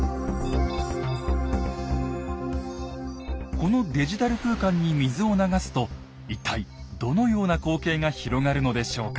このデジタル空間に水を流すと一体どのような光景が広がるのでしょうか？